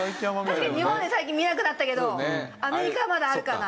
確かに日本で最近見なくなったけどアメリカはまだあるかな。